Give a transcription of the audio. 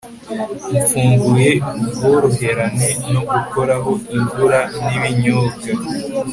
mfunguye ubworoherane no gukoraho imvura n'ibinyobwa